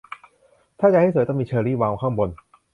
ถ้าจะให้สวยต้องมีเชอร์รี่วางข้างบน